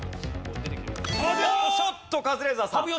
おーっとカズレーザーさん。